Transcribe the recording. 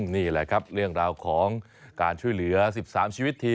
นี่แหละครับเรื่องราวของการช่วยเหลือ๑๓ชีวิตที